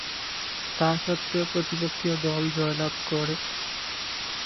তাসত্ত্বেও প্রতিপক্ষীয় দল জয়লাভ করে।